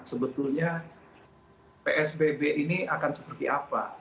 sebetulnya psbb ini akan seperti apa